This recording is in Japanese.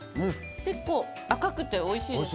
結構、赤くておいしいです。